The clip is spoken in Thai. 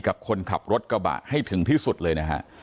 กับคนขับรถกระบะให้ถึงที่สุดเลยนะฮะ